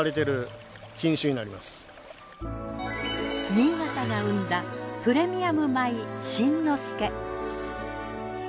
新潟が生んだプレミアム米新之助。